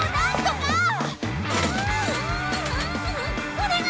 お願い！